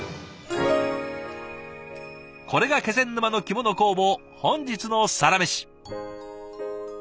これが気仙沼の着物工房本日のサラメシ！